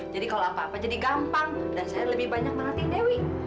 jadi kalau apa apa jadi gampang dan saya lebih banyak merhatiin dewi